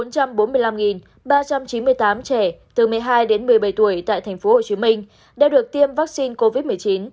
bốn trăm bốn mươi năm ba trăm chín mươi tám trẻ từ một mươi hai đến một mươi bảy tuổi tại tp hcm đã được tiêm vaccine covid một mươi chín